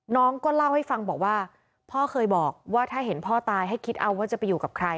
น้องก็เล่าให้ฟังบอกว่าพ่อเคยบอกว่าถ้าเห็นพ่อตายให้คิดเอาว่าจะไปอยู่กับใคร